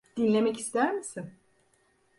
Dinlemek ister misin?